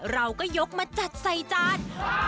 เราก็ยกมาจัดใส่จาน